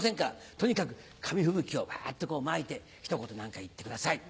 とにかく紙吹雪をバっとこうまいて一言何か言ってください。